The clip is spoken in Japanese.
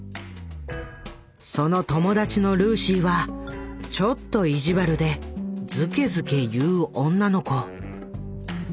その友達のルーシーはちょっと意地悪でずけずけ言う女の子。